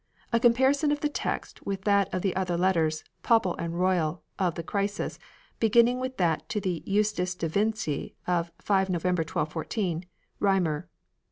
A com parison of the text with that of the other letters, papal and royal, of the crisis, beginning with that to Eustace de Vesci of 5 November, 1214 (Rymer, i.